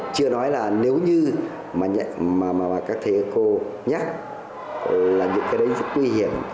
chưa nói là nếu như mà các thầy cô nhắc là những cái đấy rất nguy hiểm